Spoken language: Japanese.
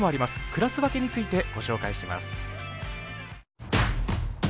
クラス分けについてご紹介します。